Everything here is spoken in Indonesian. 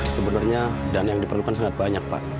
sebenarnya dana yang diperlukan sangat banyak pak